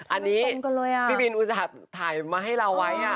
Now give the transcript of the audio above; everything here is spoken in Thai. อันนี้พี่บินอุตส่าห์ถ่ายมาให้เราไว้